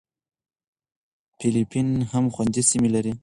فېلېپین هم خوندي سیمې لري.